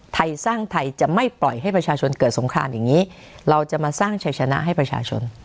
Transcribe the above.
ไทยสร้างไทยจะไม่ปล่อยให้ประชาชนเกิดสงครานอย่างนี้เราจะมาสร้างชัยชนะให้ประชาชน